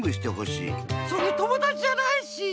それ友だちじゃないし！